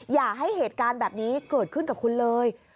อย่าให้เหตุการณ์แบบนี้เกิดขึ้นกับคุณเลย